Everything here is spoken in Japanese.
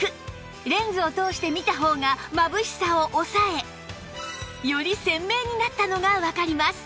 レンズを通して見た方がまぶしさを抑えより鮮明になったのがわかります